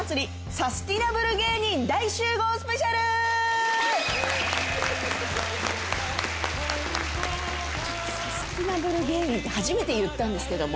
サスティナブル芸人って初めて言ったんですけれども。